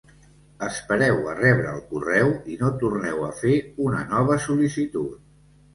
Espereu a rebre el correu i no torneu a fer una nova sol·licitud.